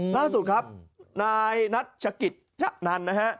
ล่าสุดครับนายนัชกิจชะนันนะฮะ